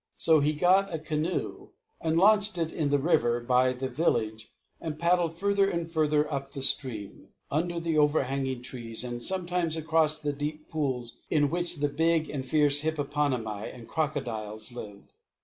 So he got a canoe and launched it in the river by the village and paddled further and further up the stream, under the overhanging trees, and sometimes across the deep pools in which the big and fierce hippopotami and crocodiles lived.